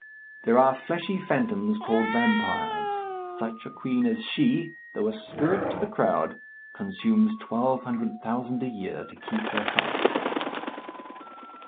There are fleshy phantoms, called vampires. Such a queen as she, though a spirit to the crowd, consumes twelve hundred thousand a year, to keep her health.